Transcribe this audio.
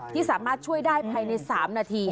ที่สามารถช่วยได้ภายใน๓นาที